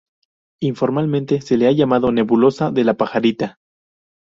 Informalmente se la ha llamado Nebulosa de la Pajarita.